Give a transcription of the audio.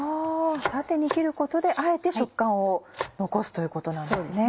縦に切ることであえて食感を残すということなんですね。